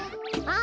あ？